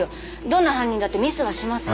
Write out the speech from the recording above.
どんな犯人だってミスはします